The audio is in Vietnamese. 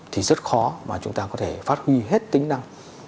thì rất khó mà chúng ta có thể phát huy hết tính năng